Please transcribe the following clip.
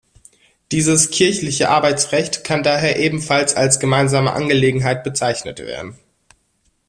Dieses „Kirchliche Arbeitsrecht“ kann daher ebenfalls als gemeinsame Angelegenheit bezeichnet werden.